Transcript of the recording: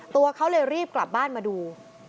ตัวเขาเลยรีบกลับบ้านมาดู